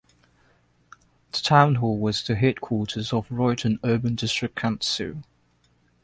The town hall was the headquarters of Royton Urban District Council.